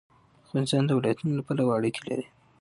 افغانستان د ولایتونو له پلوه اړیکې لري.